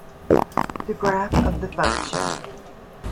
The graph of the function.